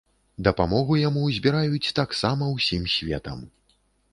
Дапамогу яму збіраюць таксама ўсім светам.